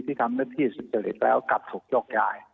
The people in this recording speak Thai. ที่ทำหน้าที่สุจริตแล้วกลับถูกโยกย้าย